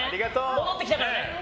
戻ってきたからね！